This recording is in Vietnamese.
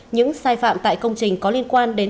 những sai phạm tại công trình có liên quan đến